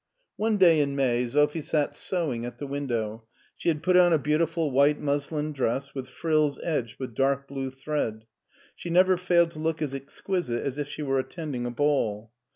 One day in May, Sophie sat sewing at the window ; she had put on a beautiful white muslin dress with frills edged with dark blue thread. She never failed to look as exquisite as if she were attending a ball.